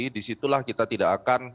disitulah kita tidak akan